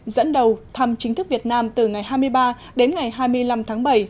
dẫn đầu thăm chính thức việt nam từ ngày hai mươi ba đến ngày hai mươi năm tháng bảy